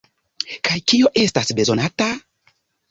Kaj kio estas bezonata?